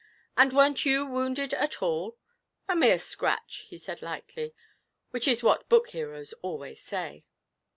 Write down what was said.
'And weren't you wounded at all?' 'A mere scratch,' he said lightly (which is what book heroes always say).